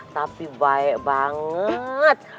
tapi baik banget